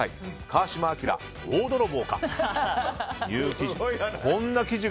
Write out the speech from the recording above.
川島明、大泥棒か！という記事。